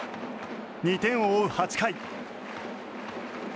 ２点を追う８回。